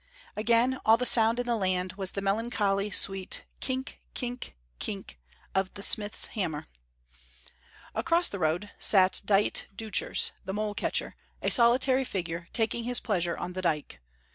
Again all the sound in the land was the melancholy sweet kink, kink, kink of the smith's hammer. Across the road sat Dite Deuchars, the mole catcher, a solitary figure, taking his pleasure on the dyke.